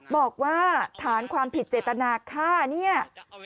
บอกว่าฐานความผิดเจตนาฆ่าเนี่ย